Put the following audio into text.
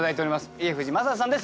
家藤正人さんです